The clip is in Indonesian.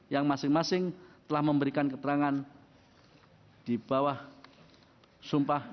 yang masing masing telah memberikan keterangan di bawah sumpah